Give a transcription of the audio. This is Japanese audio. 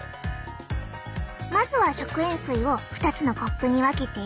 まずは食塩水を２つのコップに分けて。